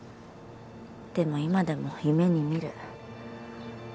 でも今でも夢に見る。